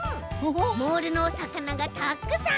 モールのおさかながたくさん！